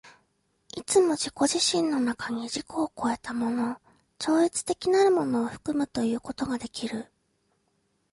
いつも自己自身の中に自己を越えたもの、超越的なるものを含むということができる。